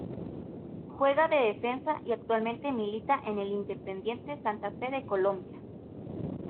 Juega de Defensa y actualmente milita en el Independiente Santa Fe de Colombia.